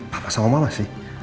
papa sama mama sih